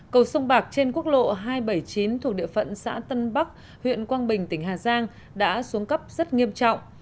cầu sông bạc trên quốc lộ hai trăm bảy mươi chín thuộc địa phận xã tân bắc huyện quang bình tỉnh hà giang đã xuống cấp rất nghiêm trọng